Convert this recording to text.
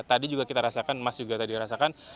tadi juga kita rasakan mas juga tadi rasakan